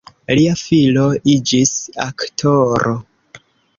Lia filo iĝis aktoro.